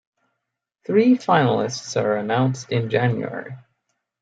Three finalists are announced in January.